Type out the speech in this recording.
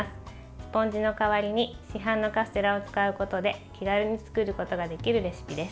スポンジの代わりに市販のカステラを使うことで気軽に作ることができるレシピです。